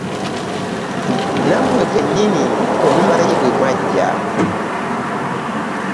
Nammwe kennyini temumanyi bwe mwajja.